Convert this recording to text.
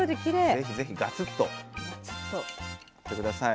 ぜひぜひガツッといって下さい。